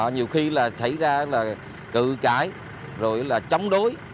nhiều khi là xảy ra là cự cãi rồi là chống đối